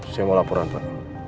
saya mau laporan pak